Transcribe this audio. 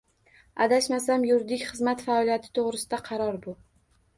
Adashmasam, yuridik xizmat faoliyati to'g'risida qaror bu